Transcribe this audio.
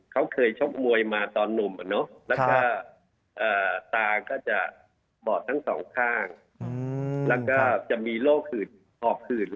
คนที่๓อยู่สุทธิพย์คนที่๔อยู่สุทธิพย์คนที่๔อยู่สุทธิพย์